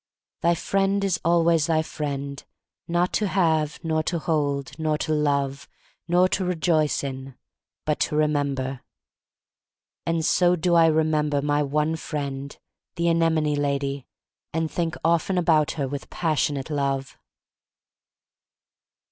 "Thy friend is always thy friend; not to have, nor to hold, nor to love, nor to rejoice in: but to remember.*' And so do I remember my one friend, the anemone lady — and think often about her with passionate love.